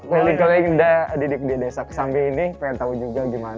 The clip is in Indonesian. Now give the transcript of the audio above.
geling geling di desa kesamping ini pengen tahu juga gimana gitu kan